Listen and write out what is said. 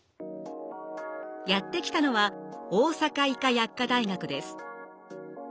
やって来たのは大阪医科薬科大学です。